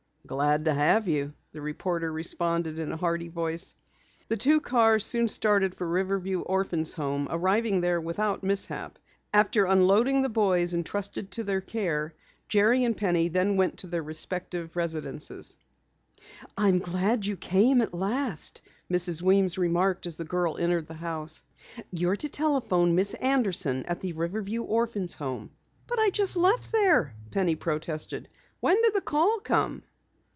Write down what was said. "Glad to have you," the reporter responded in a hearty voice. The two cars soon started for the Riverview Orphans' Home, arriving there without mishap. After unloading the boys entrusted to their care, Jerry and Penny then went to their respective residences. "I'm glad you came at last," Mrs. Weems remarked as the girl entered the house. "You're to telephone Miss Anderson at the Riverview Orphans' Home." "But I just left there," Penny protested. "When did the call come?"